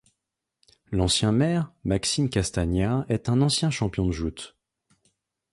L'ancien maire, Maxime Castagna, est un ancien champion de joute.